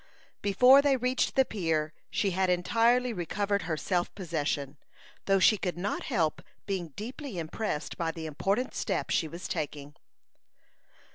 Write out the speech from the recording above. Before they reached the pier she had entirely recovered her self possession, though she could not help being deeply impressed by the important step she was taking.